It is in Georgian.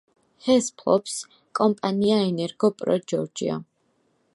ჰესს ფლობს კომპანია ენერგო-პრო ჯორჯია.